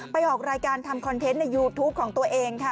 ออกรายการทำคอนเทนต์ในยูทูปของตัวเองค่ะ